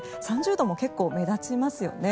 ３０度も結構目立ちますよね。